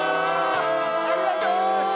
ありがとう！